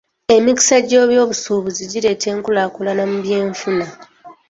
Emikisa gyeby'obusuubuzi gireeta enkulaakulana mu by'enfuna..